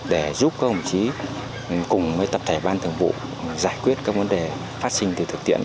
để giúp các đồng chí cùng với tập thể ban thường vụ giải quyết các vấn đề phát sinh từ thực tiễn